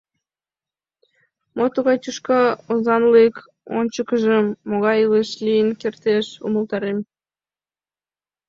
Мо тугай тӱшка озанлык, ончыкыжым могай илыш лийын кертеш — умылтарем.